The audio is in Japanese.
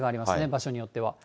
場所によっては。